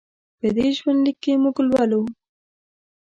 په دې ژوند لیک کې موږ لولو.